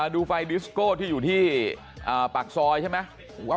ดูไฟดิสโก้ที่อยู่ที่ปากซอยใช่ไหม